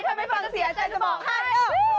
ถ้าไม่ฟังเสียใจจะบอกให้ลูก